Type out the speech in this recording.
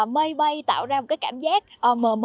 mây bay tạo ra một cảm giác mờ mờ mờ mờ